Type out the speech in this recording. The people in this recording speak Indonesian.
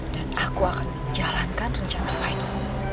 dan aku akan menjalankan rencana final